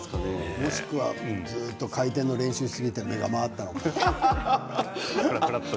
もしくはずっと回転の練習をしすぎて目が回った。